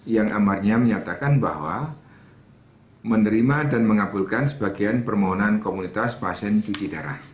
yang amarnya menyatakan bahwa menerima dan mengabulkan sebagian permohonan komunitas pasien cuci darah